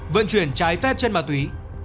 vận chuyển ma túy